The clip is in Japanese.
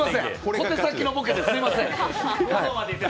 小手先のボケですみません。